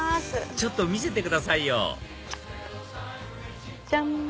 ちょっと見せてくださいよジャン！